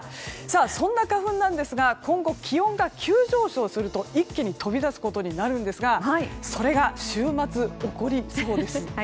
そんな花粉なんですが今後、気温が急上昇すると一気に飛び出すことになるんですがそれが、週末起こりそうです。